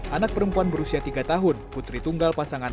anak perempuan berusia tiga tahun putri tunggal pasangan